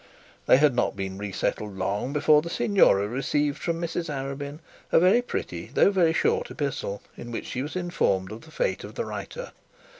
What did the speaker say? They had not been resettled long before the signora received from Mrs Arabin a very pretty though very short epistle, in which she was informed of the fate of the writer.